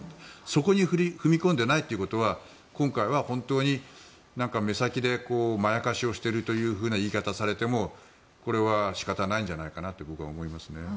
そこに踏み込んでいないということは今回は本当に目先でまやかしをしているというふうな言い方をされてもこれは仕方ないんじゃないかなと僕は思いますね。